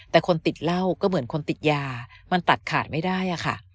แต่คนติดเหล้าก็เหมือนคนติดยามันตัดขาดไม่ได้ค่ะ